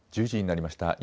１１時になりました。